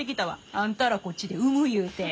あんたらこっちで産む言うて。